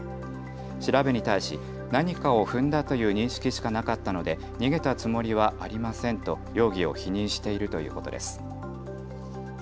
調べに対し何かを踏んだという認識しかなかったので逃げたつもりはありませんと容疑を否認しているということです。